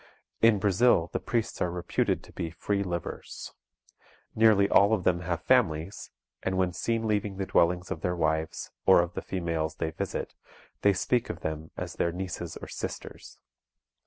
In Brazil, the priests are reputed to be free livers. Nearly all of them have families, and when seen leaving the dwellings of their wives, or of the females they visit, they speak of them as their nieces or sisters.